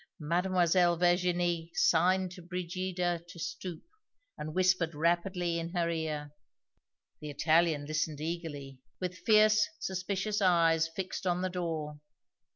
Mademoiselle Virginie signed to Brigida to stoop, and whispered rapidly in her ear. The Italian listened eagerly, with fierce, suspicious eyes fixed on the door.